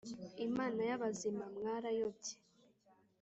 Imana y abazima Mwarayobye